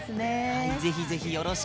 はい。